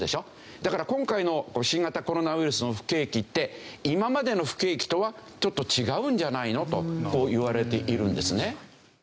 だから今回の新型コロナウイルスの不景気って今までの不景気とはちょっと違うんじゃないの？といわれているんですね。